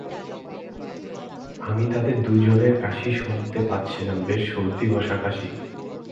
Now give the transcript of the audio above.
আমি তাদের দুজনের কাশি শুনতে পাচ্ছিলাম, বেশ সর্দি বসা কাশি।